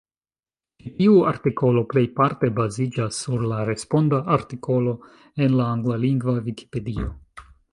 Ĉi tiu artikolo plejparte baziĝas sur la responda artikolo en la anglalingva Vikipedio.